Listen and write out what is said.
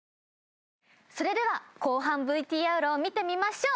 それでは後半ＶＴＲを見てみましょう。